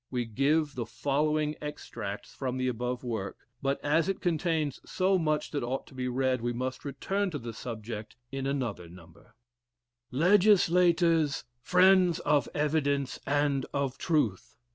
We give the following extracts, from the above work, but as it contains so much that ought to be read, we must return to the subject in another number: "Legislators, friends of evidence and of truth!